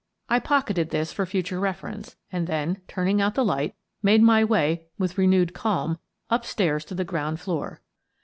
I pocketed this for future reference and then, turning out the light, made my way, with renewed calm, up stairs to the ground floor.